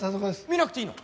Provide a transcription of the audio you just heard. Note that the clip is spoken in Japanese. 見なくていいの？